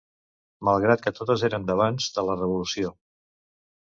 Malgrat que totes eren d'abans de la revolució